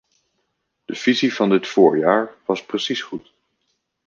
De visie van dit voorjaar was precies goed.